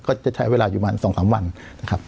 ก็จะใช้เวลาอยู่ประมาณ๒๓วันนะครับ